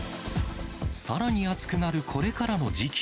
さらに暑くなるこれからの時期。